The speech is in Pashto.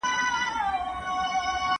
د هرې ستونزي حل په علم کي دی.